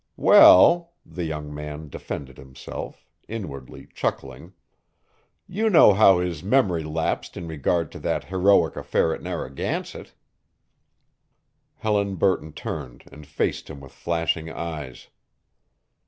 "Well," the young man defended himself, inwardly chuckling, "you know how his memory lapsed in regard to that heroic affair at Narragansett." Helen Burton turned and faced him with flashing eyes.